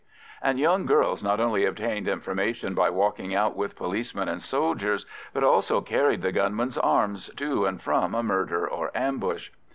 And young girls not only obtained information by walking out with policemen and soldiers, but also carried the gunmen's arms to and from a murder or ambush.